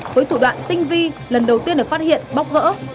với thủ đoạn tinh vi lần đầu tiên được phát hiện bóc gỡ